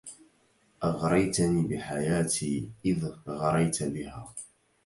أغريتني بحياتي إذ غريت بها